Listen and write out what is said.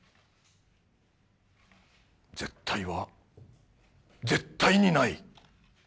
絶対は絶対にない！